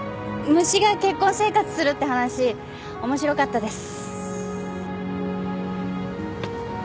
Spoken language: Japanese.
虫が結婚生活するって話面白かったです。